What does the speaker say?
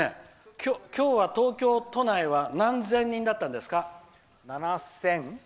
今日は東京都内は何千人だったんですか？